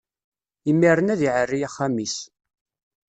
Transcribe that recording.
Imiren ad iɛerri axxam-is.